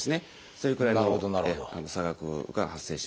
それくらいの差額が発生します。